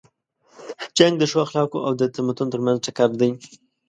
جنګ د ښو اخلاقو او د تمدن تر منځ ټکر دی.